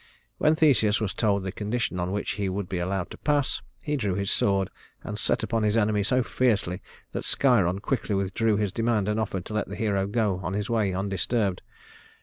When Theseus was told the condition on which he would be allowed to pass, he drew his sword and set upon his enemy so fiercely that Sciron quickly withdrew his demand, and offered to let the hero go on his way undisturbed.